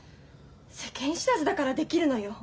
世間知らずだからできるのよ。